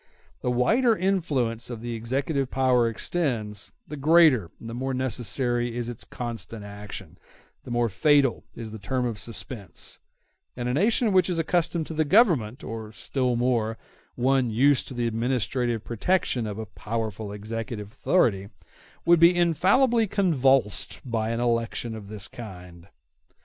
The wider the influence of the executive power extends, the greater and the more necessary is its constant action, the more fatal is the term of suspense; and a nation which is accustomed to the government, or, still more, one used to the administrative protection of a powerful executive authority would be infallibly convulsed by an election of this kind.